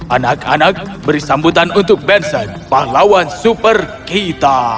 anak anak beri sambutan untuk bensen pahlawan super kita